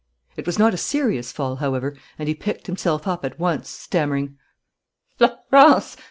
It was not a serious fall, however, and he picked himself up at once, stammering: "Florence!